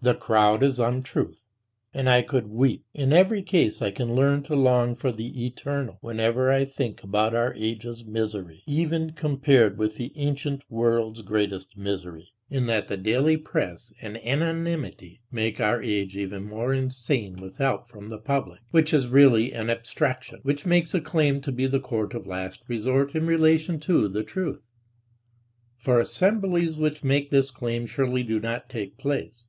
The crowd is untruth. And I could weep, in every case I can learn to long for the eternal, whenever I think about our age's misery, even compared with the ancient world's greatest misery, in that the daily press and anonymity make our age even more insane with help from "the public," which is really an abstraction, which makes a claim to be the court of last resort in relation to "the truth"; for assemblies which make this claim surely do not take place.